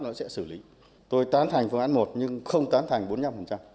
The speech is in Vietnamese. nó sẽ xử lý tôi tán thành phương án một nhưng không tán thành bốn mươi năm